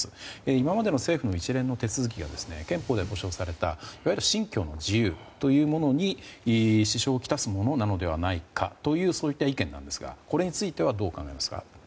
今までの政府の一連の手続きが憲法で保障された信教の自由というものに支障をきたすものなのではないかという意見なんですがこれについてはどう考えますか？